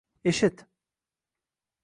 Eshit